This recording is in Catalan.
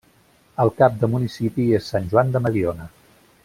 El cap de municipi és Sant Joan de Mediona.